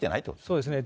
そうですね。